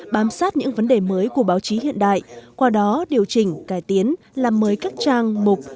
bám sát những vấn đề mới của báo chí hiện đại qua đó điều chỉnh cải tiến làm mới các trang mục